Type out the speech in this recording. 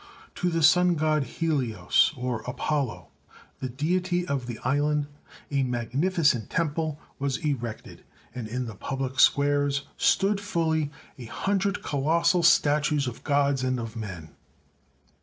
To the Sun god Helios, or Apollo, the deity of the island, a magnificent temple was erected, and in the public squares stood fully a hundred colossal statues of gods and of men.